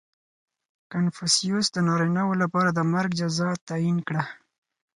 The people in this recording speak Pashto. • کنفوسیوس د نارینهوو لپاره د مرګ جزا تعیین کړه.